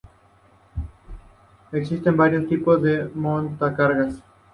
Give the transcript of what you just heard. Existen varios tipos de montacargas.